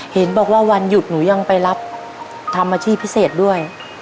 เห็นบอกว่าวันหยุดหนูยังไปรับทำอาชีพพิเศษด้วย